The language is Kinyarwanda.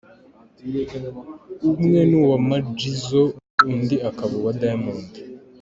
Umwe ni uwa Majizzo undi akaba uwa Diamond.